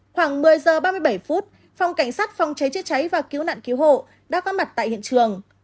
khoảng một mươi giờ ba mươi bảy phút phòng cảnh sát phòng cháy chế cháy và cứu nạn cứu hộ đã có mặt tại hiện trường